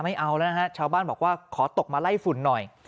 ไม่เอาแล้วนะฮะชาวบ้านบอกว่าขอตกมาไล่ฝุ่นหน่อย